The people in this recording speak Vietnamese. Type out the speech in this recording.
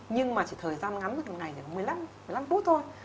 nhưng mà chỉ thời gian ngắn được một ngày thì có một mươi năm một mươi năm phút thôi